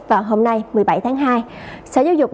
vào hôm nay một mươi bảy tháng hai